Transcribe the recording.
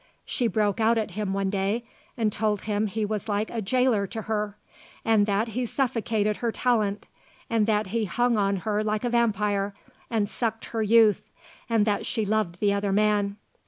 She broke out at him one day and told him he was like a jailor to her, and that he suffocated her talent and that he hung on her like a vampire and sucked her youth, and that she loved the other man.